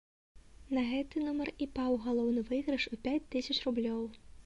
На гэты нумар і паў галоўны выйгрыш у пяць тысяч рублёў.